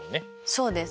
そうです。